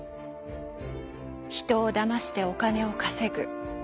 「人をだましてお金を稼ぐ」。